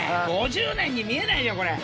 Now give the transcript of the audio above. ５０年に見えないよこれ。